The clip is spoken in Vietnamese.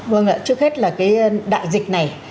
vâng ạ trước hết là cái đại dịch này